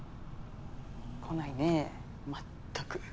来ないねえ全く。